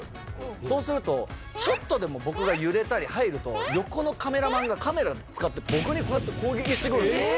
そうすると、ちょっとでも僕が揺れたり入ると、横のカメラマンがカメラでぶつかって、僕にこうやって攻撃してくるんですよ。